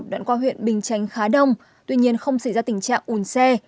đoạn qua huyện bình chánh khá đông tuy nhiên không xảy ra tình trạng ủn xe